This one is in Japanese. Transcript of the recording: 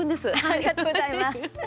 ありがとうございます。